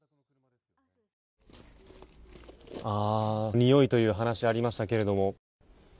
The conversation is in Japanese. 匂いという話がありましたけれども。